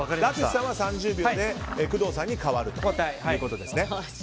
淳さんは３０秒で工藤さんに代わるということですね。